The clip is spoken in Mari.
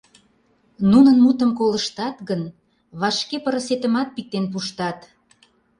Нунын мутым колыштат гын, вашке пырысетымат пиктен пуштат.